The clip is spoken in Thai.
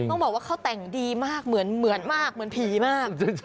ต้องบอกว่าเขาแต่งดีมากเหมือนมากเหมือนผีมาก